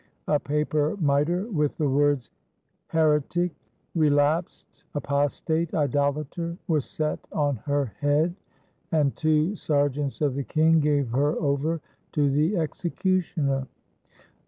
A paper miter with the words, "Here I9S FRANCE tic, Relapsed, Apostate, Idolater," was set on her head, and two sergeants of the king gave her over to the execu tioner.